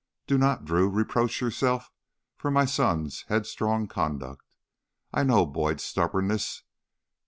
Do not, Drew, reproach yourself for my son's headstrong conduct. I know Boyd's stubbornness.